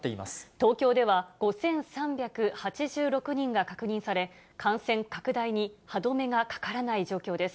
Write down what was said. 東京では５３８６人が確認され、感染拡大に歯止めがかからない状況です。